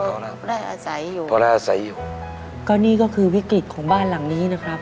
ก็ได้อาศัยอยู่ก็ได้อาศัยอยู่ก็นี่ก็คือวิกฤตของบ้านหลังนี้นะครับ